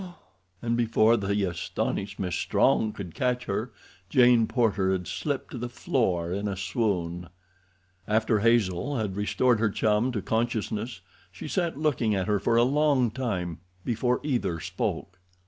And before the astonished Miss Strong could catch her Jane Porter had slipped to the floor in a swoon. After Hazel had restored her chum to consciousness she sat looking at her for a long time before either spoke.